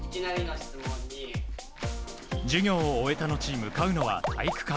授業を終えた後向かうのは体育館。